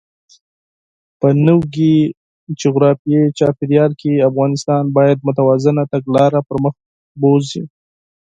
په نوي جغرافیايي چاپېریال کې، افغانستان باید متوازنه تګلاره پرمخ بوځي.